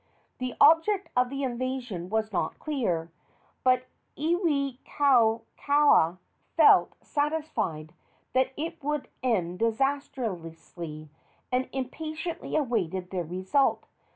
The object of the invasion was not clear, but Iwikauikaua felt satisfied that it would end disastrously, and impatiently awaited the result.